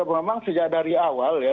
memang sejak dari awal ya